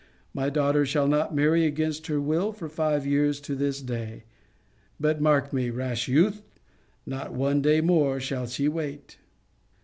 My daughter shall not marry against her will for five years to this day, but mark me, rash youth, not one day more shall she wait.'